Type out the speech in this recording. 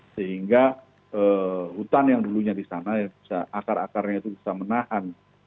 sehingga hutan yang dulunya di sana bisa akar akarnya itu bisa menahan